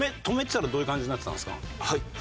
はい。